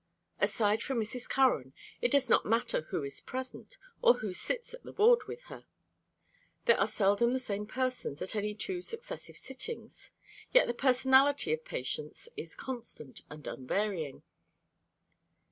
Aside from Mrs. Curran, it does not matter who is present, or who sits at the board with her; there are seldom the same persons at any two successive sittings. Yet the personality of Patience is constant and unvarying.